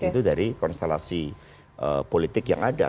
itu dari konstelasi politik yang ada